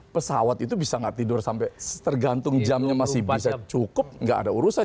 pesawat itu bisa nggak tidur sampai tergantung jamnya masih bisa cukup nggak ada urusan